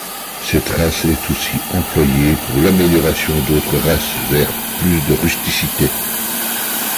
Cette race est aussi employée pour l'amélioration d'autres races, vers plus de rusticité.